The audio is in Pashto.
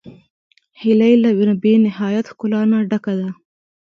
هیلۍ له بېنهایت ښکلا نه ډکه ده